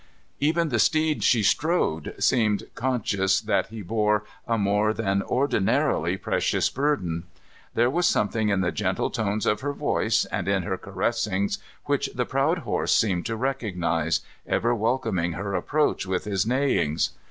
Even the steed she strode seemed conscious that he bore a more than ordinarily precious burden. There was something in the gentle tones of her voice, and in her caressings, which the proud horse seemed to recognize, ever welcoming her approach with his neighings.